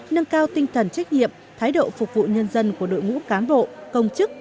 nâng cao tinh thần trách nhiệm thái độ phục vụ nhân dân của đội ngũ cán bộ công chức